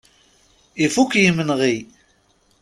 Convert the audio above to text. Ifuk yimenɣi.